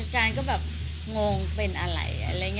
การก็แบบงงเป็นอะไร